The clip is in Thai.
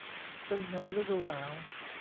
ซึ่งในฤดูหนาว